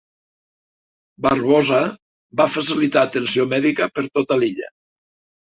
Barbosa va facilitar atenció mèdica per tota l'illa.